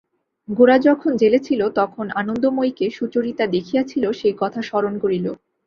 গোরা যখন জেলে ছিল তখন আনন্দময়ীকে সুচরিতা দেখিয়াছিল সেই কথা স্মরণ করিল।